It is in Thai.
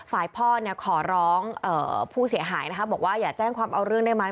ฝ่ายพ่อเนี่ยขอร้องผู้เสียหายนะคะบอกว่าอย่าแจ้งความเอาเรื่องได้ไหม